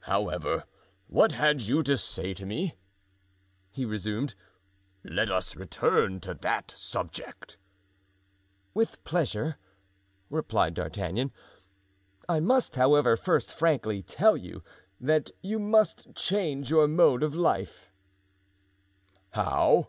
"However, what had you to say to me?" he resumed; "let us return to that subject." "With pleasure," replied D'Artagnan; "I must, however, first frankly tell you that you must change your mode of life." "How?"